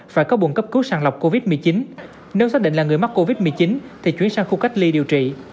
phải có buồn cấp cứu sàng lọc covid một mươi chín nếu xác định là người mắc covid một mươi chín thì chuyển sang khu cách ly điều trị